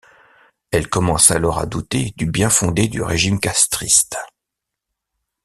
Elle commence alors à douter du bien-fondé du régime castriste.